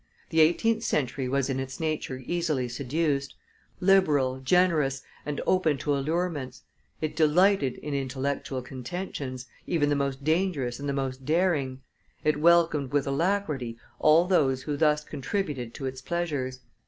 The eighteenth century was in its nature easily seduced; liberal, generous, and open to allurements, it delighted in intellectual contentions, even the most dangerous and the most daring; it welcomed with alacrity all those who thus contributed to its pleasures.